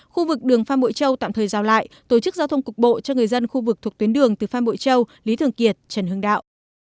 khu vực đường phan bội châu tạm thời rào lại tổ chức giao thông cục bộ cho người dân khu vực thuộc tuyến đường từ phan bội châu lý thường kiệt trần hưng đạo